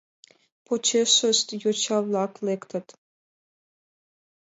Почешышт йоча-влак лектыт.